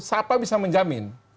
siapa bisa menjamin